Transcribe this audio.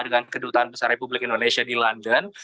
dengan kedutaan besar republik indonesia di london